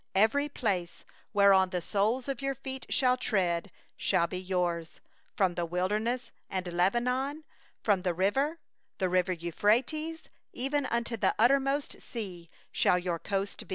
24Every place whereon the sole of your foot shall tread shall be yours: from the wilderness, and Lebanon, from the river, the river Euphrates, even unto the hinder sea shall be your border.